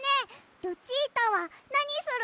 ルチータはなにするの？